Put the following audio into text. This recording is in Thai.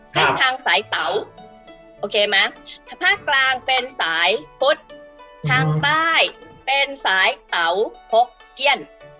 ซึ่งทางสายเต๋าโอเคไหมภาคกลางเป็นสายฟุตทางใต้เป็นสายเต๋าพกเกี้ยน